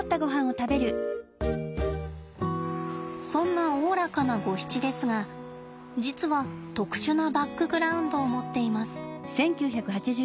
そんなおおらかなゴヒチですが実は特殊なバックグラウンドを持っています。